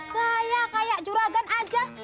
kayak kayak juragan aja